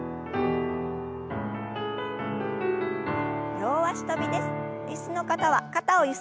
両脚跳びです。